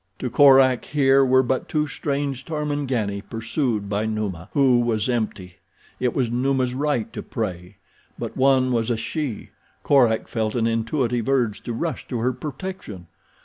To Korak here were but two strange Tarmangani pursued by Numa, who was empty. It was Numa's right to prey; but one was a she. Korak felt an intuitive urge to rush to her protection.